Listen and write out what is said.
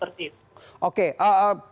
walaupun dalam kondisi yang seperti itu